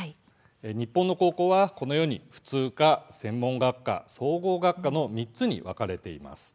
日本の高校は普通科、専門学科総合学科の３つに分かれています。